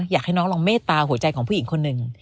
อยากให้น้องลองเมตตาหัวใจของผู้หญิงคนหนึ่ง